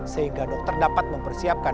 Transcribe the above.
sehingga dokter dapat mempersiapkan